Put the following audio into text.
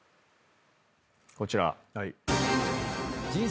こちら。